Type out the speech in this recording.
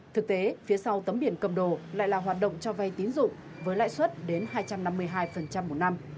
thực tế phía sau tấm biển cầm đồ lại là hoạt động cho vay tín dụng với lãi suất đến hai trăm năm mươi hai một năm